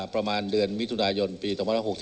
ประมาณเดือนมิถุนายนปี๒๐๖๒